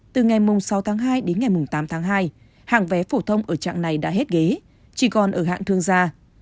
từ ngày sáu tháng hai đến ngày tám tháng hai hàng vé phổ thông ở trạng này đã hết ghế chỉ còn ở hạng thương gia